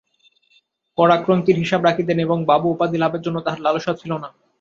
কড়াক্রন্তির হিসাব রাখিতেন, এবং বাবু উপাধি লাভের জন্য তাঁহার লালসা ছিল না।